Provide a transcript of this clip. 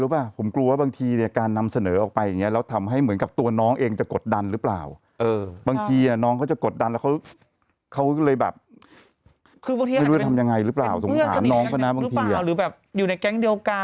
สุดท้ายรอให้น้องเขาออกมาพูดเองดีกว่า